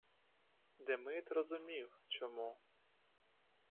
Демид розумів — чому.